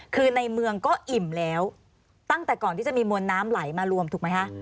คือในเมืองก็อิ่มแล้วตั้งแต่ก่อนที่จะมีมวลน้ำไหลมารวมถูกไหมคะ